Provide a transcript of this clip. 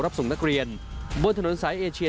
รับส่งนักเรียนบนถนนสายเอเชีย